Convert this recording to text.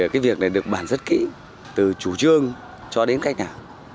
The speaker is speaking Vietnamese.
cái việc này được bàn rất kỹ từ chủ trương cho đến khách hàng